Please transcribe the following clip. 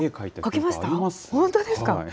本当ですか？